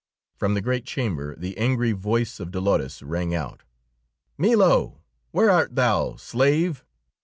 From the great chamber the angry voice of Dolores rang out. "Milo! Where art thou, slave!"